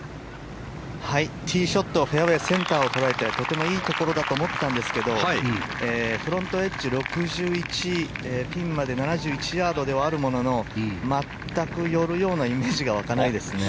ティーショットはフェアウェーセンターを捉えてとてもいいところだと思ったんですけどフロントエッジ６１ピンまで７１ヤードではあるものの全く寄るようなイメージが湧かないですね。